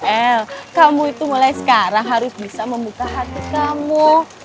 el kamu itu mulai sekarang harus bisa membuka hati kamu